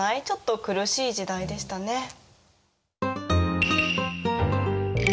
ちょっと苦しい時代でしたね。